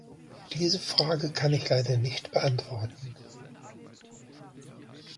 Diese Frage kann ich leider nicht beantworten.